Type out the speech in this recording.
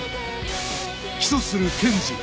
起訴する検事